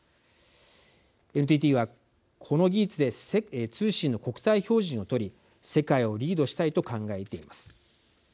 ＮＴＴは、この技術で通信の国際標準を取り世界をリードしたいと考えています。